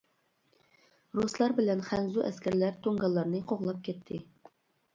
رۇسلار بىلەن خەنزۇ ئەسكەرلەر تۇڭگانلارنى قوغلاپ كەتتى!